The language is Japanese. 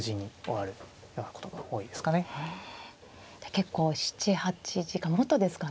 結構７８時間もっとですかね。